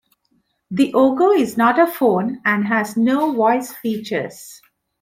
The Ogo is not a phone and has no voice features.